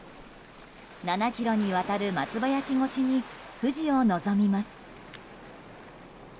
７ｋｍにわたる松林越しに富士を望みます。